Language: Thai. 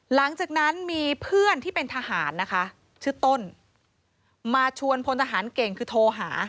หลังจากนั้นมีเพื่อนที่เป็นทหารนะคะชื่อต้นมาชวนพลทหารเก่งคือโทรหา